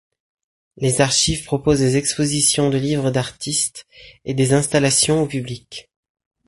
Les archives proposent des expositions de livres d'artistes et des installations au public.